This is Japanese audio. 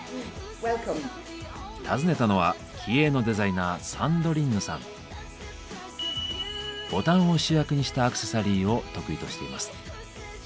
訪ねたのは気鋭のデザイナーボタンを主役にしたアクセサリーを得意としています。